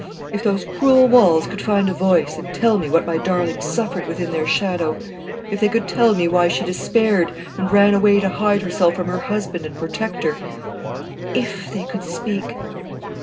If those cruel walls could find a voice, and tell me what my darling suffered within their shadow! If they could tell me why she despaired, and ran away to hide herself from her husband and protector! If they could speak!"